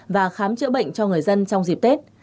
và khám chữa bệnh cho người dân trong dịp tết